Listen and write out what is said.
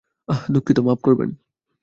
অহ, দুঃখিত, মাফ করবেন।